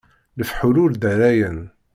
Lefḥul ur ddarayen.